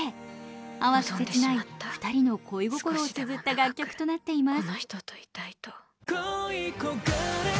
淡く切ない２人の恋心をつづった楽曲になっています。